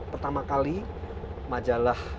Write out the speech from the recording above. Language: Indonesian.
pertama kali majalah